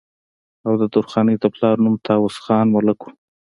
او د درخانۍ د پلار نوم طاوس خان ملک وو